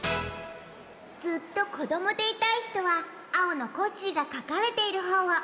ずっとこどもでいたいひとはあおのコッシーがかかれているほうを。